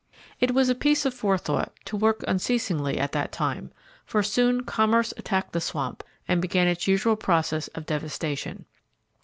It was a piece of forethought to work unceasingly at that time, for soon commerce attacked the swamp and began its usual process of devastation.